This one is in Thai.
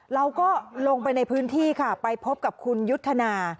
เราก็ลงไปในพื้นที่ค่ะไปพบกับคุณยุทธนา